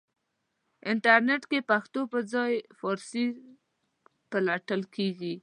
انټرنېټ کې پښتو پرځای فارسی پلټل کېږي.